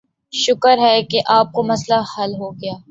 شکر ہے کہ آپ کا مسئلہ حل ہوگیا۔